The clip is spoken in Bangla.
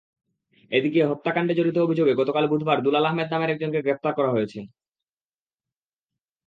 এদিকে হত্যাকাণ্ডে জড়িত অভিযোগে গতকাল বুধবার দুলাল আহমদ নামের একজনকে গ্রেপ্তার করা হয়েছে।